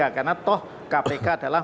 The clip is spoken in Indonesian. karena toh kpk adalah